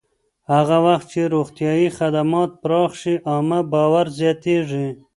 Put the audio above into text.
هغه وخت چې روغتیایي خدمات پراخ شي، عامه باور زیاتېږي.